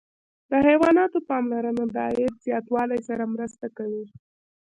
د حیواناتو پاملرنه د عاید زیاتوالي سره مرسته کوي.